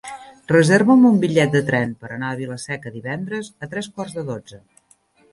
Reserva'm un bitllet de tren per anar a Vila-seca divendres a tres quarts de dotze.